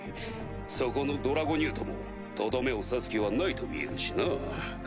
そこのドラゴニュートもとどめを刺す気はないと見えるしな。